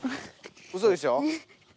うそでしょう